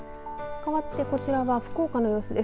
かわってこちらは福岡の様子です。